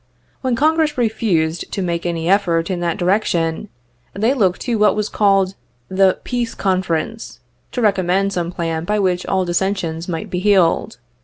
When Congress refused to make any effort in that direc tion, they looked to what was called the "Peace Confer ence" to recommend some plan by which all dissensions might be healed.